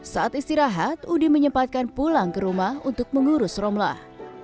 saat istirahat udi menyempatkan pulang ke rumah untuk mengurus romlah